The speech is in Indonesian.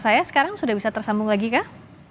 saya sekarang sudah bisa tersambung lagi kah